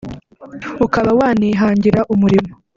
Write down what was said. ukaba wanihangira umurimo